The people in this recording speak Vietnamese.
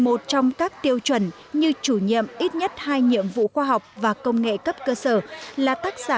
một trong các tiêu chuẩn như chủ nhiệm ít nhất hai nhiệm vụ khoa học và công nghệ cấp cơ sở là tác giả